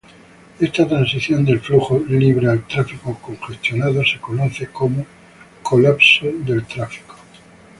Esta transición del flujo libre al tráfico congestionado se conoce como "colapso del tráfico".